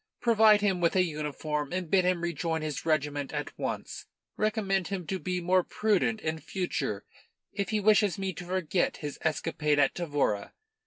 Provide him with a uniform and bid him rejoin his regiment at once. Recommend him to be more prudent in future if he wishes me to forget his escapade at Tavora.